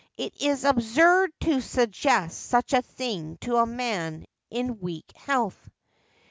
It is absurd to suggest such a thing to a man in weak health.'